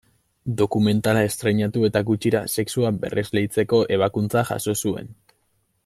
Dokumentala estreinatu eta gutxira sexua berresleitzeko ebakuntza jaso zuen.